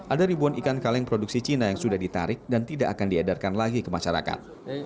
ada ribuan ikan kaleng produksi cina yang sudah ditarik dan tidak akan diedarkan lagi ke masyarakat